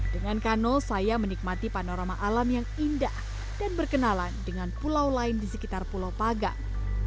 dengan kano saya menikmati panorama alam yang indah dan berkenalan dengan pulau lain di sekitar pulau pagang